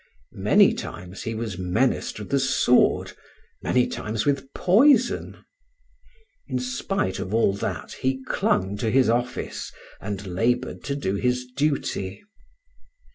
Many times he was menaced with the sword, many times with poison. In spite of all that, he clung to his office, and labored to do his duty.